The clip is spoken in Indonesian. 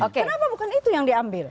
kenapa bukan itu yang diambil